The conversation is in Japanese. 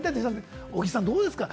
小木さんどうですか？